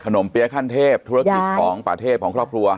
มเปี๊ยะขั้นเทพธุรกิจของป่าเทพของครอบครัว